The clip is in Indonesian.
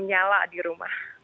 nyala di rumah